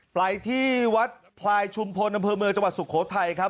ไปที่วัดพลายชุมพลอำเภอเมืองจังหวัดสุโขทัยครับ